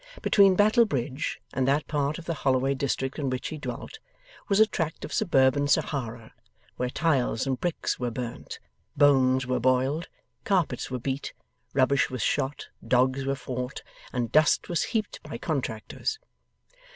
Between Battle Bridge and that part of the Holloway district in which he dwelt, was a tract of suburban Sahara, where tiles and bricks were burnt, bones were boiled, carpets were beat, rubbish was shot, dogs were fought, and dust was heaped by contractors.